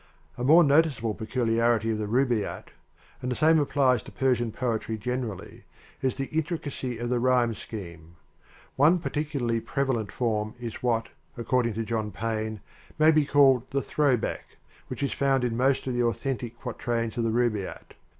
A more noticeable peculiarity of the Rubaiyat (and the same applies to Persian poe try generally) is the intricacy of the rhyme scheme. One particularly prevalent form is what, according to John Payne, may be called the " throwback/ 1 which is found in most of the au thentic quatrains of the Rubaiyat.